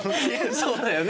そうだよね。